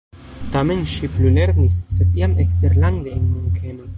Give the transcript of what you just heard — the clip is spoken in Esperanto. Tamen ŝi plulernis, sed jam eksterlande en Munkeno.